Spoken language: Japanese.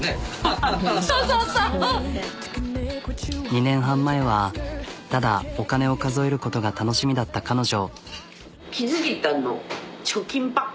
２年半前はただお金を数えることが楽しみだった彼女。